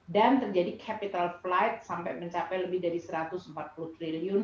dan terjadi capital plight sampai mencapai lebih dari satu ratus empat puluh triliun